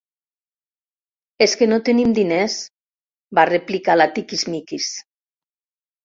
És que no tenim diners —va replicar la Tiquismiquis.